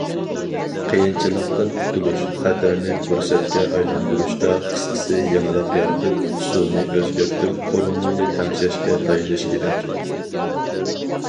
قىيىنچىلىقتىن قۇتۇلۇش، خەتەرنى پۇرسەتكە ئايلاندۇرۇشتا، قىسقىسى يېڭىلىق يارىتىپ، ئۇسۇلنى ئۆزگەرتىپ، قۇرۇلمىنى تەڭشەشكە تايىنىش كېرەك.